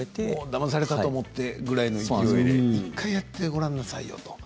だまされたと思ってという勢いで１回やってごらんなさいと。